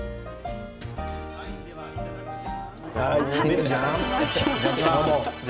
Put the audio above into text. では、いただきます。